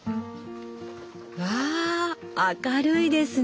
わあ明るいですね！